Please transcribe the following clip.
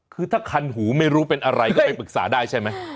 คือถ้าคันหูไม่รู้เป็นอะไรก็ไปปรึกษาได้ใช่ไหม